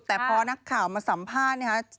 แต่พอนักข่าวมาสัมภาษณ์เนี่ย